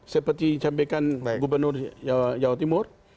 seperti yang dikongsikan gubernur